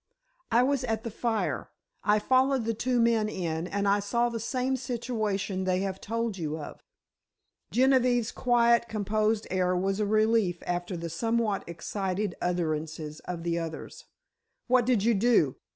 "I was at the fire. I followed the two men in, and I saw the same situation they have told you of." Genevieve's quiet, composed air was a relief after the somewhat excited utterances of the others. "What did you do?"